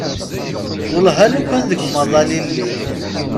Wellah alukan deg umaḍal i lliɣ.